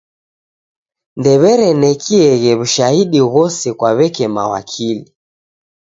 Ndew'erenekieghe w'ushahidi ghose kwa w'eke mawakili.